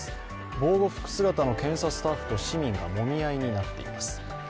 防護服姿の男性スタッフと市民がもみ合いになっています